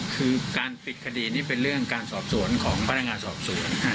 คือการปิดคดีนี่เป็นเรื่องการสอบสวนของพนักงานสอบสวน